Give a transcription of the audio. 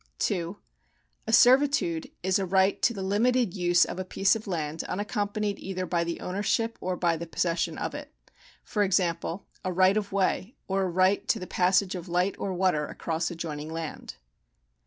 2. A servitude is a right to the limited use of a piece of land unaccom panied either by the ownership or by the possession of it ; for exam])le, a right of way or a right to the passage of light or water across adjoining land.